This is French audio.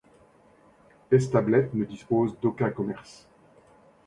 Establet ne dispose d'aucun commerce.